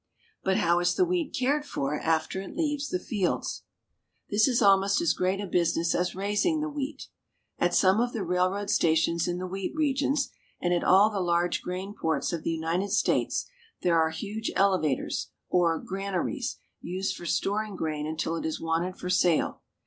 But how is the wheat cared for after it leaves the fields ? This is almost as great a business as raising the wheat. At some of the railroad stations in the wheat regions, and at all the large grain ports of the United States, there are huge elevators, or granaries, used for storing grain until it is wanted for sale.